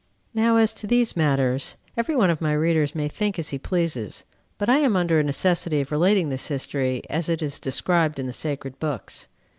Now, as to these matters, every one of my readers may think as he pleases; but I am under a necessity of relating this history as it is described in the sacred books.